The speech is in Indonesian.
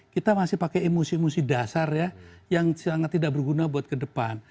kita masih pakai emosi emosi dasar ya yang sangat tidak berguna buat ke depan